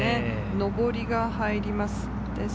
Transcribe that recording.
上りが入ります。